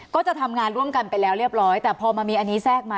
ก็จะทำงานร่วมกันไปแล้วเรียบร้อยแต่พอมันมีอันนี้แทรกมา